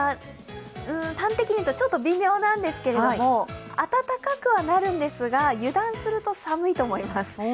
端的に言うとちょっと微妙なんですけれども、暖かくはなるんですが、油断すると寒いと思います。